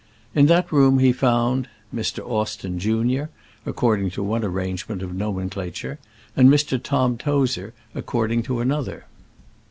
In that room he found Mr. Austen, Junior, according to one arrangement of nomenclature, and Mr. Tom Tozer according to another.